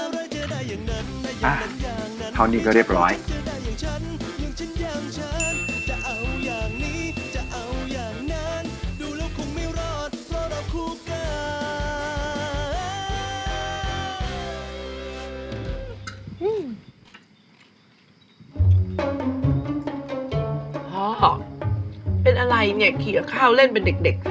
พ่อเป็นอะไรเนี่ยเขียวข้าวเล่นเป็นเด็กเหรอ